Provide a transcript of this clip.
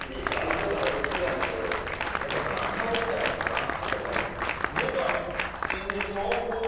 後ろからうっすら見えるやっぱ帰りたいのかなあそこに。